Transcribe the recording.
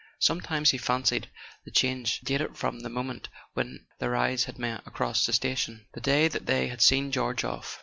Sometimes he fancied the change dated from the mo¬ ment when their eyes had met across the station, the day they had seen George off.